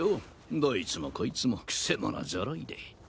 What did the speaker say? どいつもこいつもクセ者揃いで。